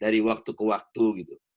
dari waktu ke waktu gitu